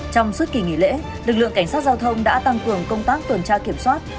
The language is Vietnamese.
trong suốt kỳ nghỉ lễ lực lượng cảnh sát giao thông đã tăng cường công tác tuần tra kiểm soát